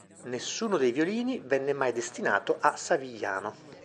Nessuno dei violini venne mai destinato a Savigliano.